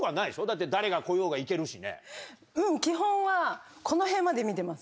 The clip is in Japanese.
だって誰が来ようが行けるしね。